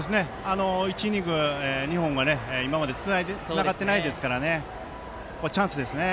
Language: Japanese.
１イニング２本は今までつながっていないですからここはチャンスですね。